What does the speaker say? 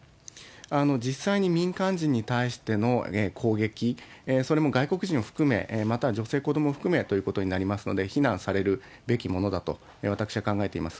実際に民間人に対しての攻撃、それも外国人を含め、また、女性、子どもを含めということになりますので、非難されるべきものだと、私は考えています。